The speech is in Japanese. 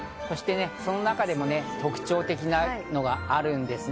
その中でも特徴的なのがあるんですね。